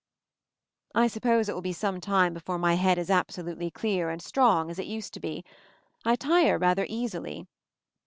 I suppose it will be some time before my head is absolutely clear and strong as it used to be. I tire rather easily.